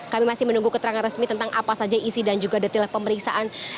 kami masih menunggu keterangan resmi tentang apa saja isi dan juga detail pemeriksaan